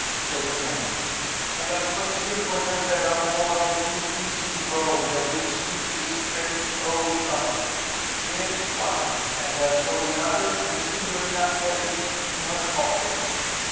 said the matron. "And I question whether there are more than two keys in Rome that will suit this strange old lock. Here is one; and as for the other, the signorina carlies it in her pocket."